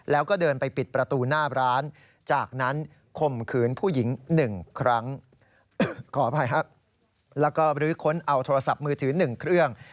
แล้วก็บริวิคค้นเอาโทรศัพท์มือถือ๑เครื่อง